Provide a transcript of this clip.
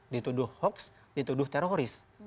dituduh hoaks dituduh teroris